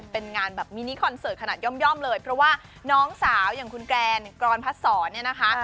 เป็นงานแบบมินิคอนเสิร์ตขนาดย่อมเลยเพราะว่าน้องสาวอย่างคุณแกรนกรพัดศรเนี่ยนะคะ